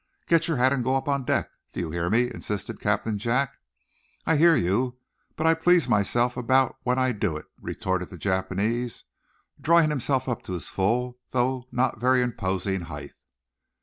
"Get your hat and go up on deck. Do you hear me?" insisted Captain Jack. "I hear you, but I please myself about when I do it," retorted the Japanese, drawing himself up to his full though not very imposing height.